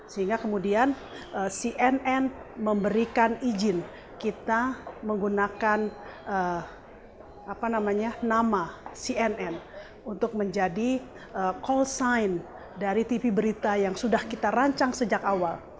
sehingga kemudian cnn memberikan izin kita menggunakan nama cnn untuk menjadi call sign dari tv berita yang sudah kita rancang sejak awal